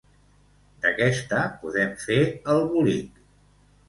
D'aquesta, podem fer el bolic.